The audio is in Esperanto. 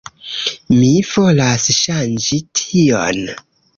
Mi volas ŝanĝi tion.